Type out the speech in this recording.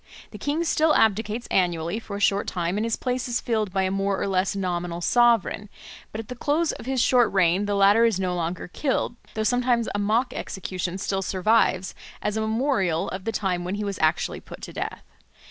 The king still abdicates annually for a short time and his place is filled by a more or less nominal sovereign; but at the close of his short reign the latter is no longer killed, though sometimes a mock execution still survives as a memorial of the time when he was actually put to death.